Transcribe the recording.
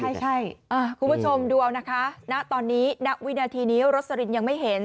ใช่คุณผู้ชมดูเอานะคะณตอนนี้ณวินาทีนี้รสลินยังไม่เห็น